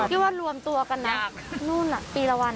ก็คิดว่ารวมตัวกันนะนู่นน่ะปีละวัน